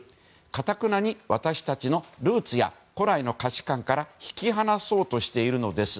かたくなに、私たちのルーツや古来の価値観から引き離そうとしているのです。